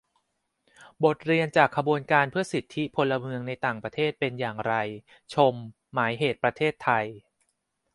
บทเรียนจากขบวนการเพื่อสิทธิพลเมืองในต่างประเทศเป็นอย่างไร - ชม หมายเหตุประเพทไทย